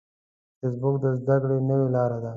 فېسبوک د زده کړې نوې لاره ده